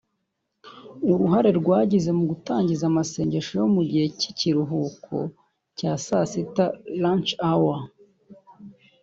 Uruhare ryagize mu gutangiza amasengesho yo mu gihe cy’ikiruhuko cya saa sita- Lunch Hour